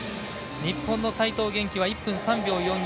日本の齋藤元希は１分３秒４４。